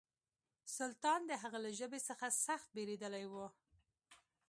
سلطان د هغه له ژبې څخه سخت بېرېدلی و.